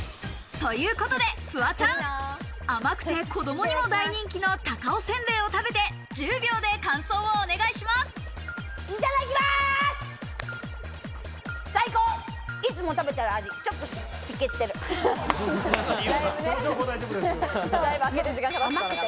ということでフワちゃん、甘くて子供にも大人気の高尾せんべいを食べて１０秒で感想をお願いします。